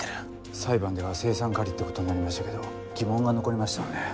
裁判では「青酸カリ」ってことになりましたけど疑問が残りましたよね。